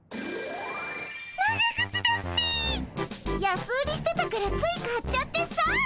安売りしてたからつい買っちゃってさ。